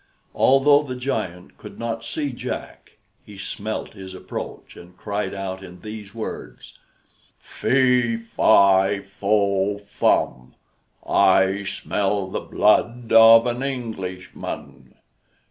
Although the giant could not see Jack, he smelt his approach, and cried out in these words: "Fee, fi, fo, fum! I smell the blood of an Englishman!